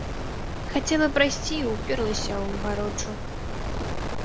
Хацела прайсці і ўперлася ў агароджу.